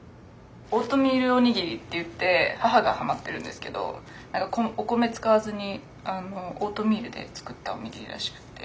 オートミールおにぎりっていって母がはまってるんですけどお米使わずにオートミールで作ったおにぎりらしくって。